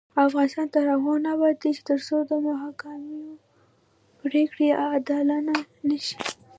افغانستان تر هغو نه ابادیږي، ترڅو د محاکمو پریکړې عادلانه نشي.